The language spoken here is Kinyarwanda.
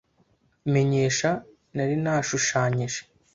menyesha, nari nashushanyije